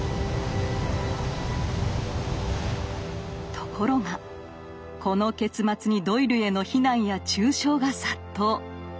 ところがこの結末にドイルへの非難や中傷が殺到。